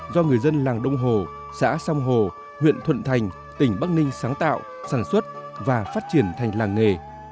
do người dân làng đông hồ xã song hồ huyện thuận thành tỉnh bắc ninh sáng tạo sản xuất và phát triển thành làng nghề